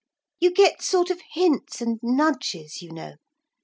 You get sort of hints and nudges, you know.